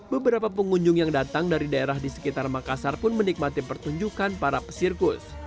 beberapa pengunjung yang datang dari daerah di sekitar makassar pun menikmati pertunjukan para pesirkus